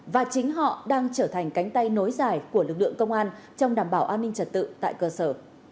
và chính họ đang trở thành cánh tay nối dài của lực lượng công an trong đảm bảo an ninh trật tự tại cơ sở